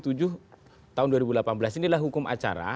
tahun dua ribu delapan belas inilah hukum acara